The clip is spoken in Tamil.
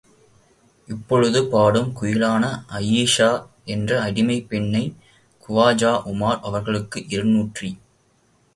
இப்பொழுது, பாடும் குயிலான அயீஷா என்ற அடிமைப் பெண்ணை குவாஜா உமார் அவர்களுக்கு இரு நூற்றி.